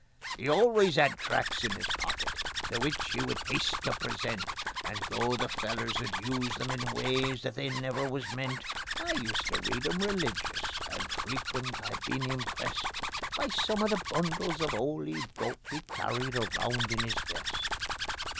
He always 'ad tracts in his pocket, the which he would haste to present, And though the fellers would use them in ways that they never was meant, I used to read 'em religious, and frequent I've been impressed By some of them bundles of 'oly dope he carried around in his vest.